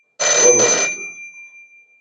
Ɣeṛ-aɣ-d.